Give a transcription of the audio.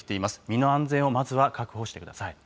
身の安全をまずは確保してください。